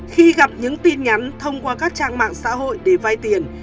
khi gặp những tin nhắn thông qua các trang mạng xã hội để vay tiền